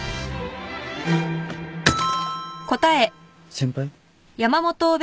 先輩？